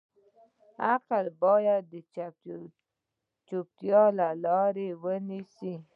عقل باید د چوپتیا لاره ونیسي.